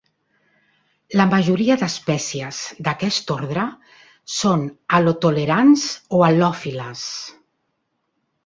La majoria d'espècies d'aquest ordre són halotolerants o halòfiles.